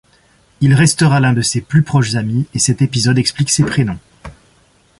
Il restera l'un de ses plus proches amis, et cet épisode explique ses prénoms.